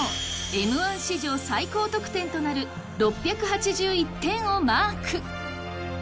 Ｍ−１史上最高得点となる６８１点をマーク！